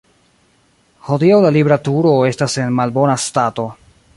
Hodiaŭ la Libra Turo estas en malbona stato.